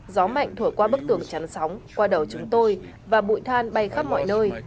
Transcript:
gió mạnh thổi qua bức tường chắn sóng qua đầu chúng tôi và bụi than bay khắp mọi nơi